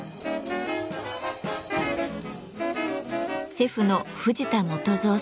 シェフの藤田統三さん。